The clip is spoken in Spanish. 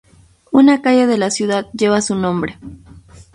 Una calle de la ciudad lleva su nombre.